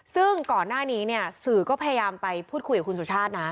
ซึ่งก่อนหน้านี้เนี่ยสื่อก็พยายามไปพูดคุยกับคุณสุชาตินะ